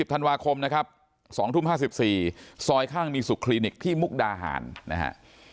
ธันวาคมนะครับ๒ทุ่ม๕๔ซอยข้างมีสุขคลินิกที่มุกดาหารนะฮะ